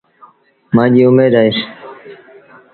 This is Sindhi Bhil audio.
مآݩجيٚ اُميد اهي۔